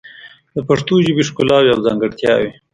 د پښتو ژبې ښکلاوې او ځانګړتیاوې